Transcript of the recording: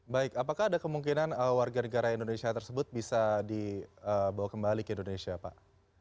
baik apakah ada kemungkinan warga negara indonesia tersebut bisa dibawa kembali ke indonesia pak